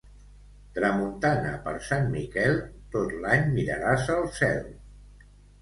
Tramuntana per Sant Miquel, tot l'any miraràs el cel.